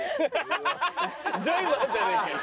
ジョイマンじゃねえかよ！